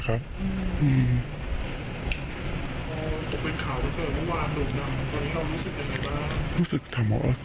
อ๋อตกเป็นข่าวเมื่อเกิดเมื่อวานหลวงดังตอนนี้เรารู้สึกยังไงบ้าง